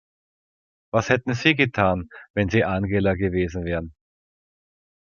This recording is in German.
Was hätten Sie getan, wenn Sie Angela gewesen wären?